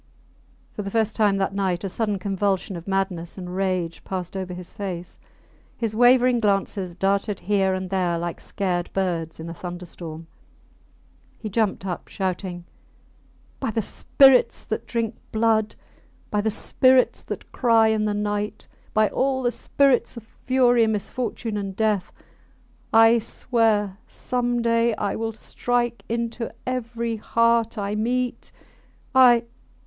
... For the first time that night a sudden convulsion of madness and rage passed over his face. His wavering glances darted here and there like scared birds in a thunderstorm. He jumped up, shouting By the spirits that drink blood: by the spirits that cry in the night: by all the spirits of fury, misfortune, and death, I swear some day I will strike into every heart I meet I ..